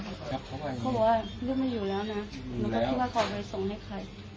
เขาบอกว่าลูกไม่อยู่แล้วนะหนูก็คิดว่าเขาเอาไปส่งให้ใคร